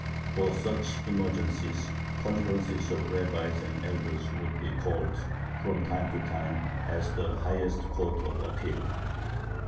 For such emergencies conferences of rabbis and elders would be called from time to time as the highest court of appeal.